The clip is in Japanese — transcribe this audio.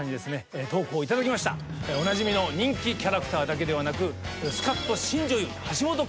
おなじみの人気キャラクターだけではなく。